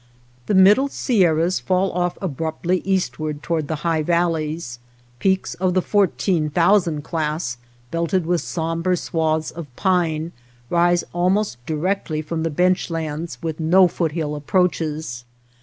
The middle Sierras fall off abruptly east ward toward the high valleys. Peaks of the fourteen thousand class, belted with sombre swathes of pine, rise almost direct ly from the bench lands with no foothill approaches.